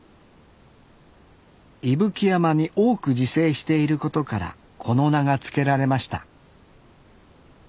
伊吹山に多く自生していることからこの名が付けられました